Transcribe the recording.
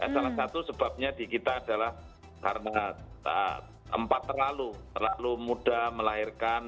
salah satu sebabnya di kita adalah karena empat terlalu muda melahirkan